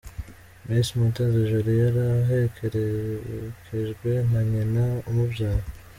Miss Mutesi Jolly, yari aherekejwe na nyina umubyara.